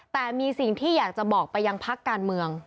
แต่มีสิ่งที่อยากจะบอกไปยังพักการเมือง